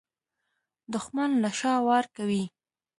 دښمن له شا وار کوي